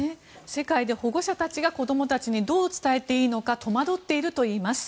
世界で保護者たちが子供たちにどう伝えていいのか戸惑っているといいます。